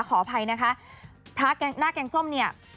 ขออภัยนะคะพระหน้าแกงส้มเนี่ย